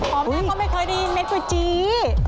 พอบด้านเขาไม่เคยได้ยินเมล็ดกุจี